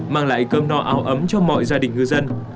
mang lại cơm no áo ấm cho mọi gia đình ngư dân